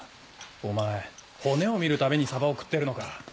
お前骨を見るためにサバを食ってるのか。